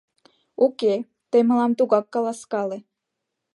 — Уке, тый мылам тугак каласкале.